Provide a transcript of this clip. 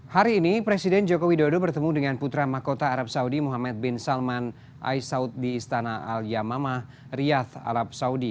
hari ini presiden joko widodo bertemu dengan putra mahkota arab saudi muhammad bin salman aisaud di istana al yamamah riyadh arab saudi